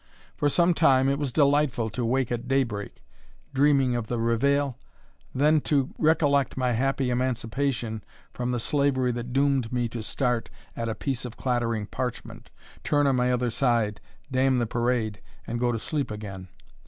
For some time, it was delightful to wake at daybreak, dreaming of the reveill? then to recollect my happy emancipation from the slavery that doomed me to start at a piece of clattering parchment, turn on my other side, damn the parade, and go to sleep again.